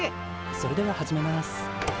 それでは始めます。